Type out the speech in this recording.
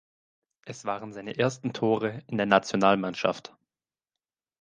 Es waren seine ersten Tore in der Nationalmannschaft.